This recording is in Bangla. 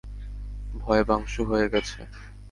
ভয়ে পাংশু হয়ে গেছে!